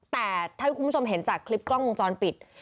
แต่ถ้าคุณผู้ชมเห็นจากคลิปกล้องวงจรปิด